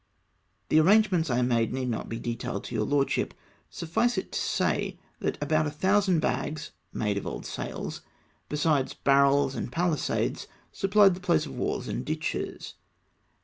The arrangements I made need not be detailed to your lordship ; suffice it to say, that about a thousand bags (made of old sails), besides barrels and palisades, supplied the place of walls and ditches, and LETTER TO THE ADMIRALTY.